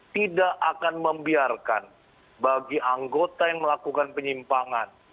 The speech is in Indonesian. tidak akan membiarkan bagi anggota yang melakukan penyimpangan